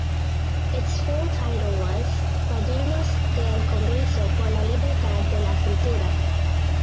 Its full title was "Cuadernos del Congreso por la Libertad de la Cultura".